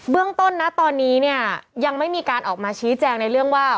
เรื่องต้นนะตอนนี้เนี่ยยังไม่มีการออกมาชี้แจงในเรื่องว่า